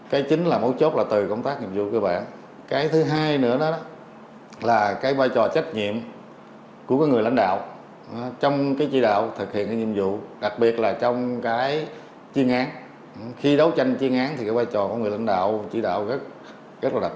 khi đấu tranh chiến án thì cái vai trò của người lãnh đạo chỉ đạo rất là đặc biệt